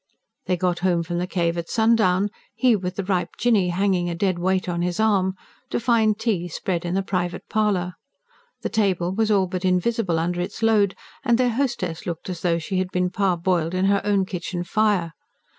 They got home from the cave at sundown, he with the ripe Jinny hanging a dead weight on his arm, to find tea spread in the private parlour. The table was all but invisible under its load; and their hostess looked as though she had been parboiled on her own kitchen fire.